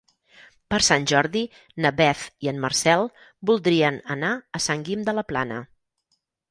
Per Sant Jordi na Beth i en Marcel voldrien anar a Sant Guim de la Plana.